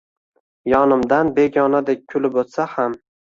Yonimdan begonadek kulib utsa xam